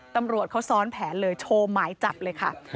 ตำรวจเขาซ้อนแผนเลยโชว์หมายจับเลยค่ะ